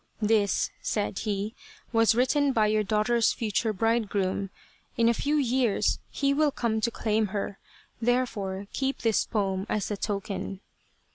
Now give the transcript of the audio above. ' This,' said he, ' was written by your daughter's future bridegroom. ' In a few years he will come to claim her, therefore keep this poem as the token.'